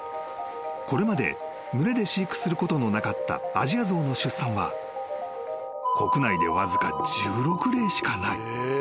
［これまで群れで飼育することのなかったアジアゾウの出産は国内でわずか１６例しかない］